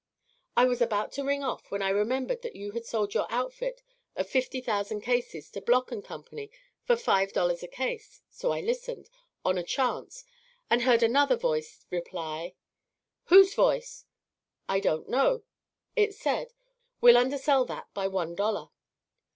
"I was about to ring off when I remembered that you had sold your output of fifty thousand cases to Bloc & Company for five dollars a case, so I listened, on a chance, and heard another voice reply " "Whose voice?" "I don't know. It said, 'We'll undersell that by one dollar.'